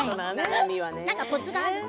何かコツはある？